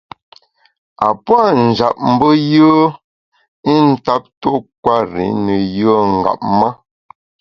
A puâ’ njap mbe yùe i ntap tuo kwer i ne yùe ngap ma.